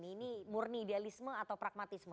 ini murni idealisme atau pragmatisme